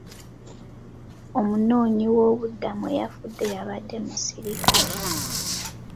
Omunoonyi woobubudamu eyafudde yabadde musirikale.